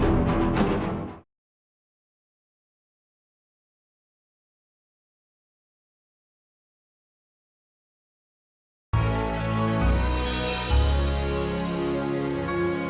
jini jini jini